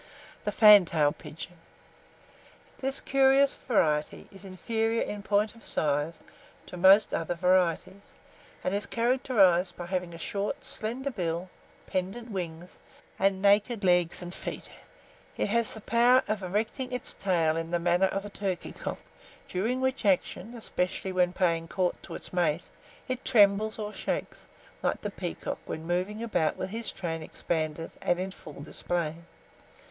[Illustration: FANTAIL PIGEONS.] THE FANTAIL PIGEON. This curious variety is inferior in point of size to most of the other varieties, and is characterized by having a short, slender bill, pendent wings, and naked legs and feet. It has the power of erecting its tail in the manner of a turkey cock; during which action, especially when paying court to it's mate, it trembles or shakes, like the peacock when moving about with his train expanded and in full display.